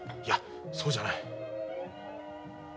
いやそうじゃない。